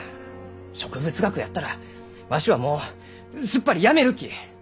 植物学やったらわしはもうすっぱりやめるき！